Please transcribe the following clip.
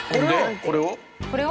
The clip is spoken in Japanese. これを。